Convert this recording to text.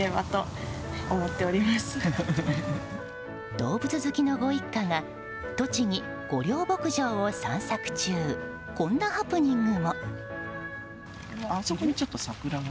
動物好きのご一家が栃木・御料牧場を散策中こんなハプニングも。